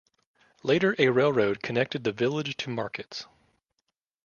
Later a railroad connected the village to markets.